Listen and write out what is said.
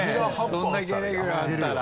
それだけレギュラーあったら。